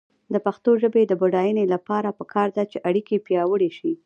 د پښتو ژبې د بډاینې لپاره پکار ده چې اړیکې پیاوړې شي.